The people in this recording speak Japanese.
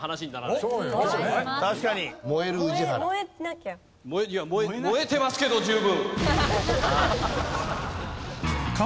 いや燃え燃えてますけど十分！